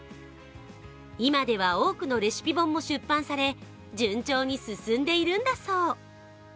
今では多くのレシピ本も出版され順調に進んでいるんだそう。